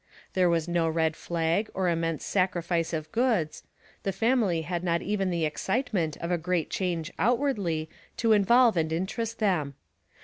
There was no red flag or immense sacrifice of goods; the fami ly had not even the excitement of a great change outwardly to involve and interest them.